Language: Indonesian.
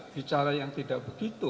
bicara yang tidak begitu